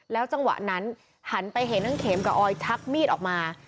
จังหวะนั้นหันไปเห็นทั้งเข็มกับออยชักมีดออกมา